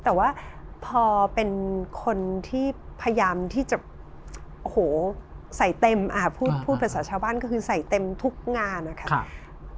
แต่ว่าพอเป็นคนที่พยายามที่จะโอ้โหใส่เต็มพูดภาษาชาวบ้านก็คือใส่เต็มทุกงานนะครับ